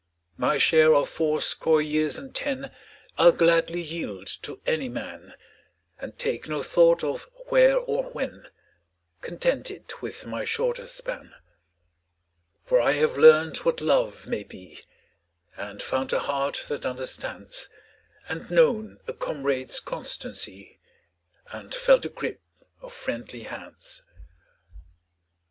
My share of fourscore years and ten I'll gladly yield to any man, And take no thought of " where " or " when," Contented with my shorter span. 32 BETTER FAR TO PASS AWAY 33 For I have learned what love may be, And found a heart that understands, And known a comrade's constancy, And felt the grip of friendly hands.